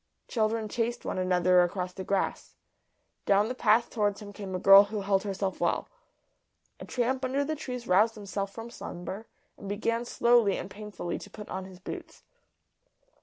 Children chased one another across the grass. Down the path towards him came a girl who held herself well. A tramp under the trees roused himself from slumber, and began slowly and painfully to put on his boots.